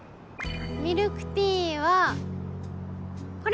ミルクティーはこれ！